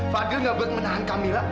fadil nggak berat menahan kamila